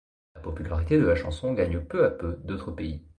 La popularité de la chanson gagne peu à peu d'autres pays.